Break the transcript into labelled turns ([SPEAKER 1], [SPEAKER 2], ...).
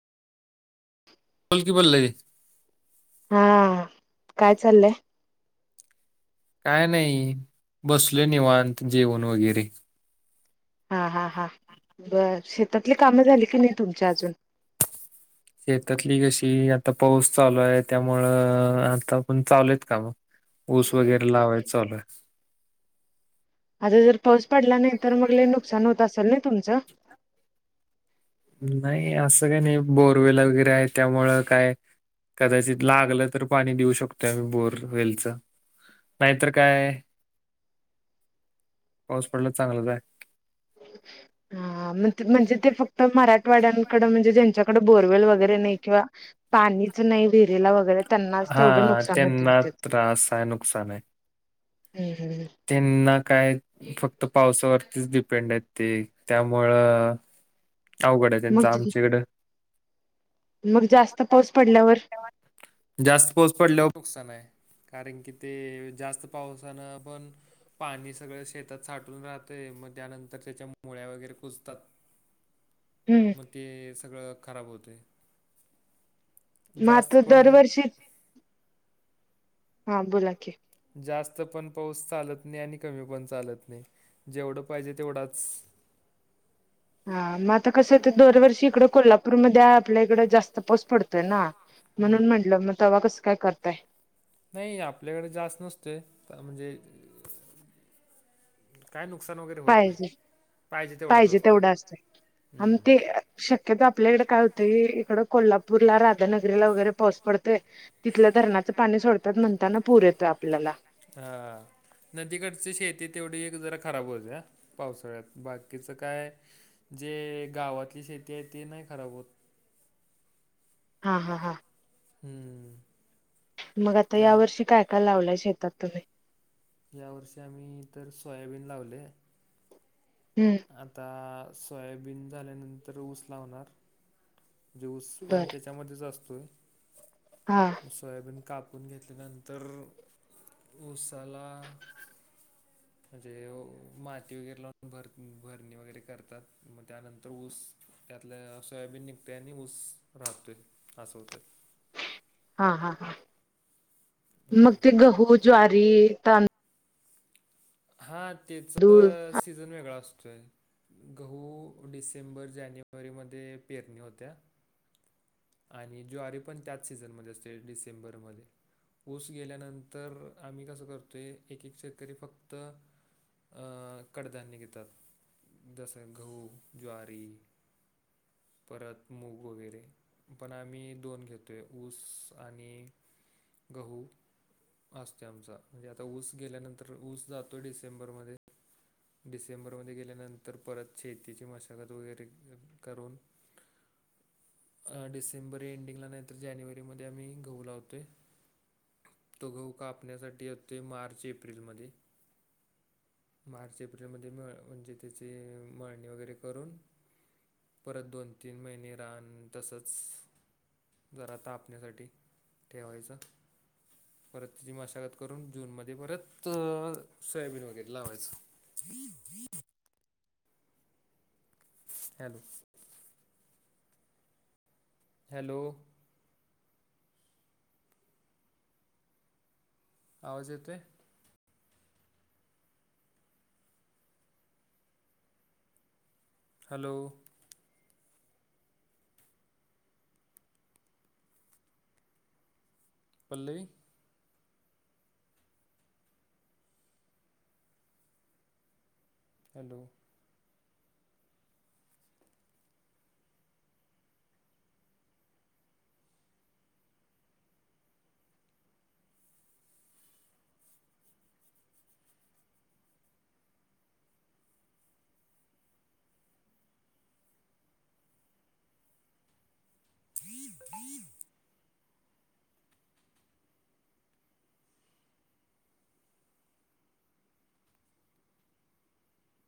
[SPEAKER 1] बोल की, पल्लवी
[SPEAKER 2] हा काय चाललंय?
[SPEAKER 1] काय नाही? बसलोय निवांत जेवण वगैरे.
[SPEAKER 2] हां हां हां बरं शेतातली कामं झाली की, नाही तुमच्या अजून
[SPEAKER 1] शेतातली कशी आता पाऊस चालू आहे. त्यामुळं आता पण चालू आहेत काम ऊस वगैरे लावायच चालूय आहे.
[SPEAKER 2] आज जर पाऊस पडला नाही तर मग नुकसान होत असेल ना तुमचं
[SPEAKER 1] नाही असं काही नाही बोरवेल वगैरे आहे त्यामुळं काय? कदाचित लागलं तर पाणी देऊ शकतोय. आम्ही बोर वेलच नाहीतर काय? पाऊस पडला चांगलंच आहे.
[SPEAKER 2] हा म्हणजे ते फक्त मराठवाड्यांकड म्हणजे ज्यांच्याकडे बोर वैगेरे नाही किंवा पाणीच नाही विहीरीला वगैरे त्यांनाच तेवढ
[SPEAKER 1] हा
[SPEAKER 2] नुकसान होते.
[SPEAKER 1] त्यांना त्रास आहे नुकसान आहे
[SPEAKER 2] हम्म हम्
[SPEAKER 1] त्यांना काय? फक्त पावसावरतीच डिपेंड आहेत ते त्यामुळं अवघड आहे त्यांच
[SPEAKER 2] मग
[SPEAKER 1] आमच्याकड
[SPEAKER 2] मग जास्त पाऊस पडल्यावर
[SPEAKER 1] जास्त पाऊस पडल्यावर नुकसान आहे. कारण कि ते जास्त पावसानं पण पाणी सगळं शेतात साठून राहतय मग त्यानंतर त्याच्या मुळ्या वगैरे कुजतात.
[SPEAKER 2] हम्म
[SPEAKER 1] मग ते सगळं खराब होतंय.
[SPEAKER 2] म
[SPEAKER 1] जास्त
[SPEAKER 2] तो
[SPEAKER 1] पण
[SPEAKER 2] दरवर्षी हा बोला की,
[SPEAKER 1] जास्त पण पाऊस चालत नाही. आणि कमी पण चालत नाही जेवढं पाहिजे तेवढाच,
[SPEAKER 2] हा मग आता कसं आहे दरवर्षी इकड कोल्हापूरमध्येध्ये आपल्या इकड जास्त पाऊस पडतोय ना, म्हणून म्हंटलं मग तेव्हा कसं काय? करताय.
[SPEAKER 1] नाही आपल्याकडे जास्त नसतोय तर म्हणजे काय नुकसान वगैरे होत नाही.
[SPEAKER 2] पाहिजे
[SPEAKER 1] पाहिजे तेवढंत असते हम्म.
[SPEAKER 2] शक्यता आपल्याकडे काय होतं. इकडं कोल्हापूरला, राधानगरीला वगैरे पाऊस पडतोय. तिथलं धरणाचं पाणी सोडतात. म्हणताना पूर येतो आपल्याला.
[SPEAKER 1] हा. नदीकडची शेती तेवढी एक जरा खराब होते. आ पावसाळ्यात. बाकीचं काय? जे गावातली शेती आहे ते नाही खराब होत.
[SPEAKER 2] हां हां हां.
[SPEAKER 1] हम्म.
[SPEAKER 2] मग आता
[SPEAKER 1] त्या
[SPEAKER 2] या वर्षी काय काय लावलाय शेतात तुम्ही?
[SPEAKER 1] यावर्षी आम्ही तर सोयाबीन लावले.
[SPEAKER 2] हम्म.
[SPEAKER 1] आता सोयाबीन झाल्यानंतर ऊस लावणार उस पण
[SPEAKER 2] बर
[SPEAKER 1] त्याच्यामध्येच असतोय.
[SPEAKER 2] हा.
[SPEAKER 1] सोयाबीन कापून घेतल्यानंतर उसाला म्हणजे माती वगैरे लावून भर भरणी वगैरे करतात. मग त्यानंतर ऊस त्यातल्या सोयाबीन निघतेय आणि ऊस राहतोय, असं होतेय.
[SPEAKER 2] हा हा ह, मग ते गहू, ज्वारी, तांद
[SPEAKER 1] हा त्याच
[SPEAKER 2] तांदूळ
[SPEAKER 1] सीझन वेगळा असतोय. गहू डिसेंबर, जानेवारीमध्ये पेरणी होत्या. आणि ज्वारी पण त्याच सीझनमध्ये असते डिसेंबरमध्ये. ऊस गेल्यानंतर आम्ही कसं करतोय, एक एक शेतकरी फक्त कडधान्य घेतात. जसं गहू, ज्वारी परत मूग वगैरे पण आम्ही दोन घेतोय ऊस आणि गहू. असते आमचा. म्हणजे आता ऊस गेल्यानंतर ऊस जातोय डिसेंबरमध्ये डिसेंबरमध्ये गेल्यानंतर परत शेतीची मशागत वगैरे करून डिसेंबर एंडिंगला नाहीतर जानेवारी मध्ये आम्ही गहू लावतोय. तो गहू कापण्यासाठी येतो मार्च, एप्रिलमध्ये. मार्च, एप्रिलमध्ये म म्हणजे त्याची मळणी वगैरे करून परत दोन- तीन महिने रान तसंच जरा तापण्यासाठी ठेवायचं. परत तिची मशागत करून जून मध्ये परत, सोयाबीन वगैरे लावायचं. [inaudible] हॅलो. हॅलो. आवाज येतोय? हॅलो. पल्लवी हॅलो [inaudible]